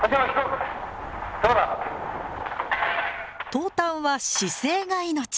投炭は姿勢が命。